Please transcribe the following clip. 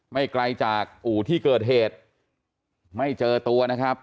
ไม่ไกลจากอู่ที่เกิดเหตุไม่เจอตัวนะครับ